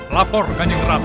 lapor kanjeng ratu